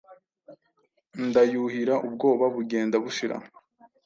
Ndayuhira ubwoba bugenda bushira